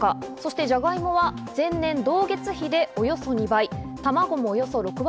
じゃがいもは前年同月比でおよそ２倍。